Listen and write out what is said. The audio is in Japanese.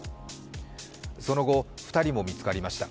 その後、２人も見つかりました。